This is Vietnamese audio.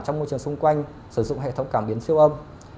trong môi trường xung quanh sử dụng hệ thống cảm biến siêu âm